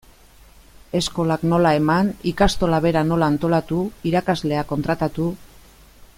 Eskolak nola eman, ikastola bera nola antolatu, irakasleak kontratatu...